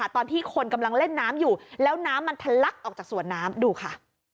ตอนที่คนกำลังเล่นน้ำอยู่แล้วน้ำมันทะลักออกจากสวนน้ำดูค่ะ